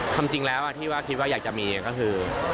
ความจริงแล้วที่ว่าคิดว่าอยากจะมีก็คือ